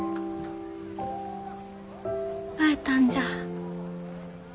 会えたんじゃ。